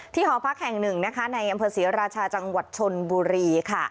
หอพักแห่งหนึ่งนะคะในอำเภอศรีราชาจังหวัดชนบุรีค่ะ